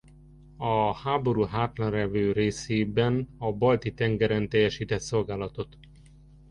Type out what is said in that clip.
A háború hátralévő részében a Balti-tengeren teljesített szolgálatot.